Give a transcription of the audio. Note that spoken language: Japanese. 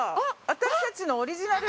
私たちのオリジナル？